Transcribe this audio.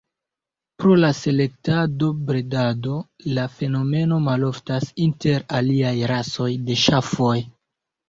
Pro la selektado bredado la fenomeno maloftas inter aliaj rasoj de ŝafoj.